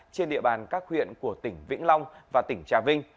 trên địa bàn các huyện của tỉnh vĩnh long và tỉnh trà vinh